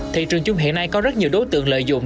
thị trường chung hiện nay có rất nhiều đối tượng lợi dụng